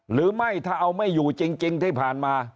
หรือไม่ถ้าเอาไม่อยู่จริงที่ผ่านมา